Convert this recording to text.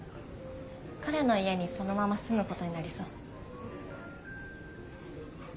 彼の家にそのまま住むことになりそう。